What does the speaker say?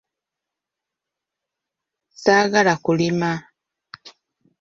Saagala kulima.